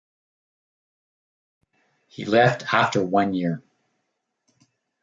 He left after one year.